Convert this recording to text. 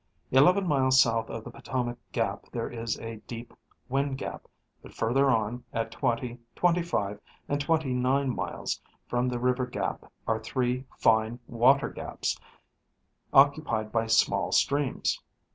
Eleven miles south of the Potomac gap there is a deep wind gap ; but further on, at twenty, twenty five and twenty nine miles from the river gap are three fine water gaps occupied by small streams.